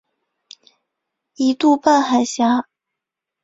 一度半海峡。